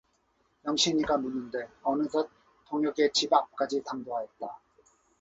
영신이가 묻는데 어느덧 동혁의 집 앞까지 당도하였다.